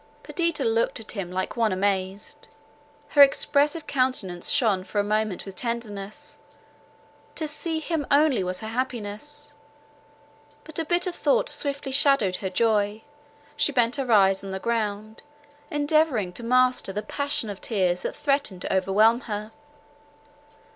Perdita looked at him like one amazed; her expressive countenance shone for a moment with tenderness; to see him only was happiness. But a bitter thought swiftly shadowed her joy; she bent her eyes on the ground, endeavouring to master the passion of tears that threatened to overwhelm her.